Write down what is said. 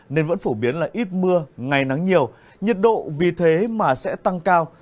nên vẫn phổ biến là ít mưa ngày nắng nhiều nhiệt độ vì thế mà sẽ tăng cao